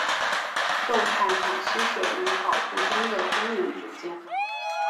动态反吸血驴保护中的功能组件。